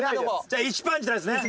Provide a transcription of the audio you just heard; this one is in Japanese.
じゃあ１パンチラですね。